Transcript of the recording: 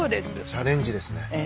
チャレンジですね。